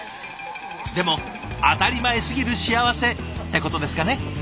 でも当たり前すぎる幸せってことですかね。